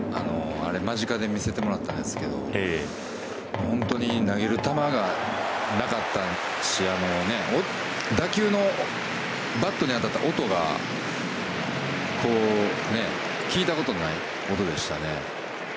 間近で見せてもらったんですけど本当に投げる球がなかったしバットに当たった音が聞いたことのない音でしたね。